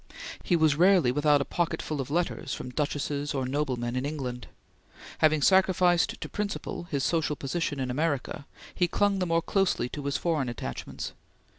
He was rarely without a pocket full of letters from duchesses or noblemen in England. Having sacrificed to principle his social position in America, he clung the more closely to his foreign attachments.